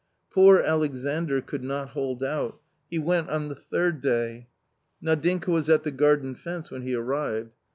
•Poor Alexandr could not hold out ; he went on the third day. Nadinka was at the garden fence when he arrived.